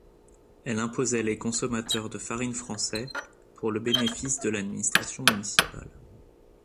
Elle imposait les consommateurs de farine français pour le bénéfice de l'administration municipale.